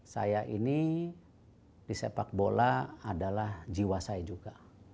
saya ini di sepak bola adalah jiwa saya juga